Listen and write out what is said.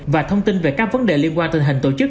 và thông tin về các vấn đề liên quan tình hình tổ chức